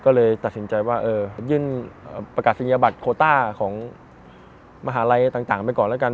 ก็เลยตัดสินใจว่ายื่นประกาศนิยบัตรโคต้าของมหาลัยต่างไปก่อนแล้วกัน